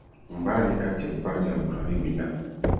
Umbali kati ya upande wa magharibi na